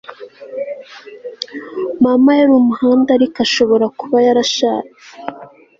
Mama yari Umuhanda ariko ashobora kuba yarashatse